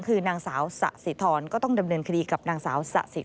คือนางสาวส